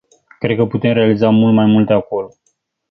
Cred că putem realiza mult mai multe acolo.